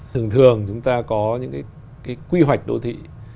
thường thường chúng ta có những cái quy hoạch đô thị